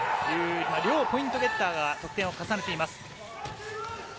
両ポイントゲッターが得点を重ねています。